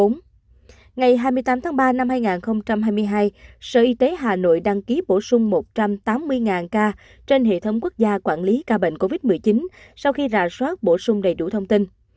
ngày hai mươi tám tháng ba năm hai nghìn hai mươi hai sở y tế hà nội đăng ký bổ sung một trăm tám mươi ca trên hệ thống quốc gia quản lý ca bệnh covid một mươi chín sau khi rà soát bổ sung đầy đủ thông tin